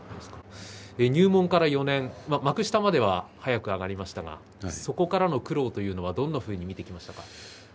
入門から４年、幕下までは早く上がりましたがそこからの苦労というのはどんなふうに見てきましたか。